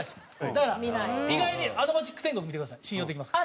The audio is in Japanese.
だから意外に『アド街ック天国』見てください信用できますから。